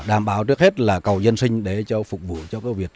đảm bảo trước hết là cầu dân sinh để phục vụ cho việc